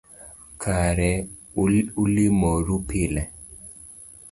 Kare ulimoru pile